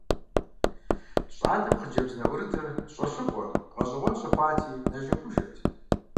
Щӏалэм хъыджэбз нэӀурытыр щӀэщыгъуэ, гъэщӀэгъуэн щыхъуати, нэжэгужэт.